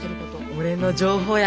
俺の情報や。